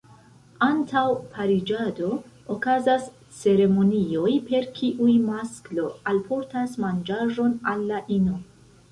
Antaŭ pariĝado okazas ceremonioj per kiuj masklo alportas manĝaĵon al la ino.